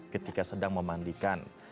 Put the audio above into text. ketika sedang memandikan